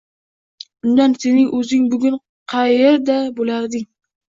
Unda sening o‘zing bugun qaerda bo‘larding?